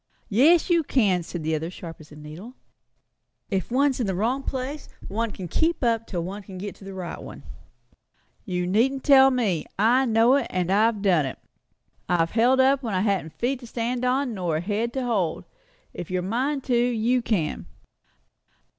"Yes, you can," said the other, as sharp as a needle. "If one's in the wrong place, one can keep up till one can get to the right one. You needn't tell me. I know it, and I've done it. I've held up when I hadn't feet to stand upon, nor a head to hold. If you're a mind to, you can.